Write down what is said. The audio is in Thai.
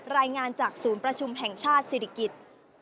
รายงานจากศูนย์ประชุมแห่งชาติศิริกิจ